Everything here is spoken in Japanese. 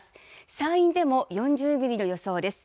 山陰でも、４０ミリの予想です。